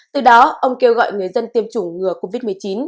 từ đó ông kêu gọi người dân tiêm chủng ngừa covid một mươi chín